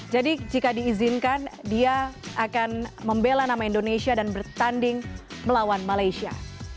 jadi jika diizinkan dia akan membela nama indonesia dan bertanding melawan malaysia